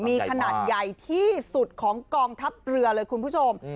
มีขนาดใหญ่ที่สุดของกองทัพเรือเลยคุณผู้ชม